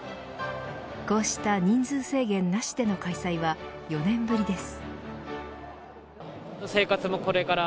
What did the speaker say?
こうした人数制限なしでの開催は４年ぶりです。